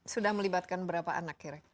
sudah melibatkan berapa anak kirek